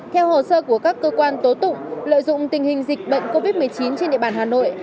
theo hồ sơ của các cơ quan tố tụng lợi dụng tình hình dịch bệnh covid một mươi chín trên địa bàn hà nội